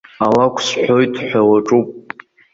Алакә сҳәоит ҳәа уаҿуп!